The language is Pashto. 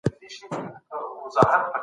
پښتو ژبه د عزت نښه ده.